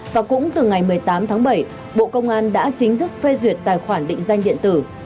và cũng từ ngày một mươi tám tháng bảy bộ công an đã chính thức phê duyệt tài khoản định danh điện tử